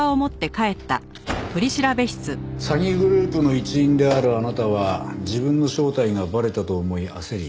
詐欺グループの一員であるあなたは自分の正体がバレたと思い焦り